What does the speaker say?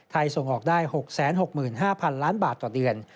ส่งออกได้๖๖๕๐๐๐ล้านบาทต่อเดือน